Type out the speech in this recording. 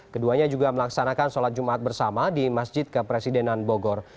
keduanya juga melaksanakan sholat jumat bersama di masjid kepresidenan bogor